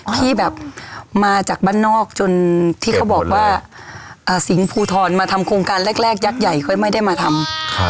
ที่แบบมาจากบ้านนอกจนที่เขาบอกว่าสิงห์ภูทรมาทำโครงการแรกยักษ์ใหญ่ค่อยไม่ได้มาทำ